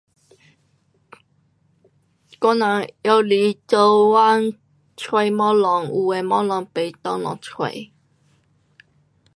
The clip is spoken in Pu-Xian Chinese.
我人拿来做工找东西，有的东西在内咯找